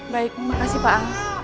baik makasih pak al